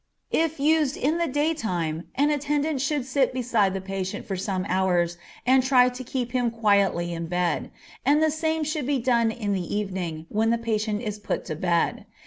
If used in the daytime an attendant should sit beside the patient for some hours and try to keep him quietly in bed, and the same should be done in the evening when the patient is put to bed.